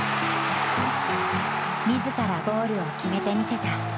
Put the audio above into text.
みずからゴールを決めて見せた。